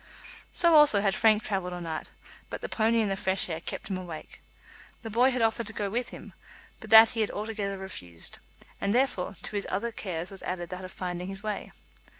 So also had Frank travelled all night, but the pony and the fresh air kept him awake. The boy had offered to go with him, but that he had altogether refused; and, therefore, to his other cares was added that of finding his way.